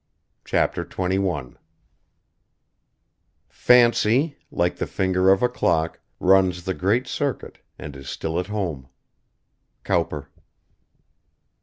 CHAPTER XXI "Fancy, like the finger of a clock, Runs the great circuit, and is still at home." COWPER.